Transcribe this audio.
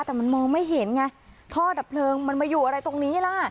แต่มันมองไม่เห็นไงท่อดับเพลิงมันมาอยู่อะไรตรงนี้ล่ะ